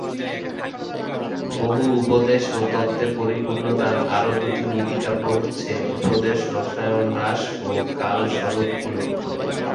বহু উপদেশ ও তত্ত্বে পূর্ণ তাঁর আরও দুটি নীতিকাব্য হচ্ছে উপদেশরসায়নরাস ও কালস্বরূপকুলক।